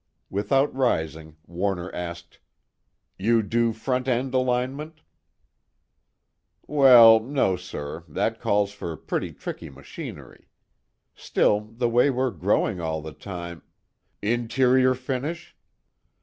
_ Without rising, Warner asked: "You do front end alignment?" "Well, no, sir, that calls for pretty tricky machinery. Still, the way we're growing all the time " "Interior finish?"